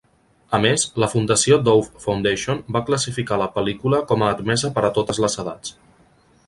A més, la fundació Dove Foundation va classificar la pel·lícula com a "admesa per a totes les edats".